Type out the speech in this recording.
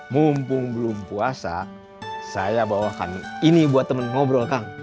mumpung belum puasa saya bawakan ini buat temen ngobrol kang